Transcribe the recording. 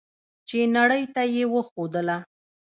چې نړۍ ته یې وښودله.